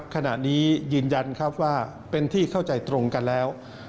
ขณะนี้ยืนยันครับว่าเป็นที่เข้าใจตรงกันแล้ว